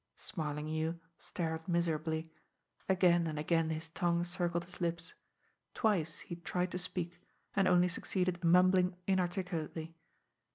Smarlinghue stared miserably. Again and again his tongue circled his lips. Twice he tried to speak and only succeeded in mumbling inarticulately.